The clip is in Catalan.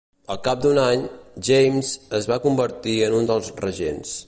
Al cap d'un any, James es va convertir en un dels regents.